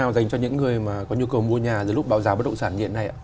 làm thế nào dành cho những người mà có nhu cầu mua nhà lúc bão giá bất động sản hiện nay ạ